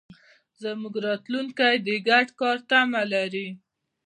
زموږ راتلونکی د ګډ کار تمه لري.